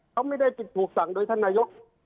เขาไม่ได้ปริตถูกทางโดยท่านนายก